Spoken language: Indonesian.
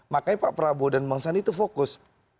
makanya pak prabowo dan bang sandi itu fokus